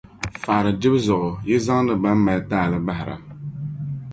faɣiri dibu zuɣu yi zaŋdi bɛn mali taali bahira.